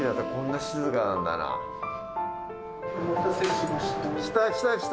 お待たせしました。